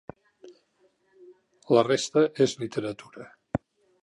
La resta és literatura...